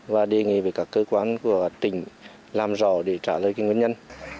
và đề nghị với các cơ quan của tỉnh làm rõ để trả lời nguyên nhân